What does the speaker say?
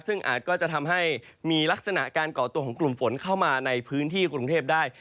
ซึ่งอาจก็จะทำให้มีลักษณะการก่อตัวของกลุ่มฝนเข้ามาในพื้นที่กรุงเทพได้